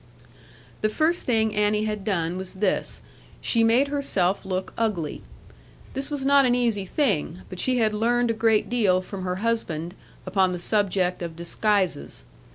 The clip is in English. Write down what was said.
The first thing Annie had done was this: she made herself look ugly. This was not an easy thing; but she had learned a great deal from her husband, upon the subject of disguises.